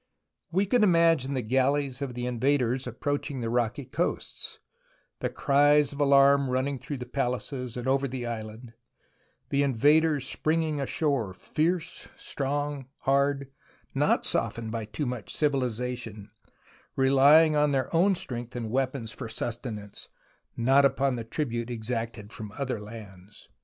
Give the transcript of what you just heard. We can imagine the galleys of the invaders THE ROMANCE OF EXCAVATION 187 approaching the rocky coasts, the cries of alarm run ning through the palaces and over the island, the invaders springing ashore, fierce, strong, hard, not softened by too much civilization, relying on their own strength and weapons for sustenance, not upon the tribute exacted from other lands.